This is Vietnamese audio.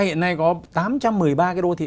hiện nay có tám trăm một mươi ba cái đô thị